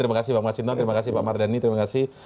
terima kasih pak masinon terima kasih pak mardani terima kasih